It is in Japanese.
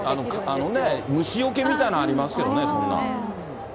なんか、あのね、虫よけみたいなのありますけどね、そんなん。